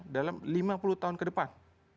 dalam lima puluh tahun ke depan